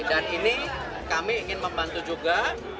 dan ini kami ingin membantu juga